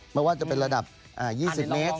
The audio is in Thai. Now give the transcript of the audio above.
ไม่ว่าจะเป็นระดับ๒๐เมตร๑๘เมตรนะครับ